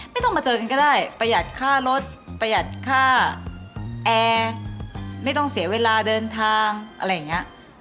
ไม่ต้องมาเจอกันก็ได้ประหยัดค่ารถประหยัดค่าแอร์ไม่ต้องเสียเวลาเดินทางอะไรอย่างนี้